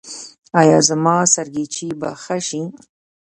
ایا زما سرگیچي به ښه شي؟